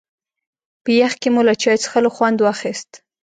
په يخ کې مو له چای څښلو خوند واخيست.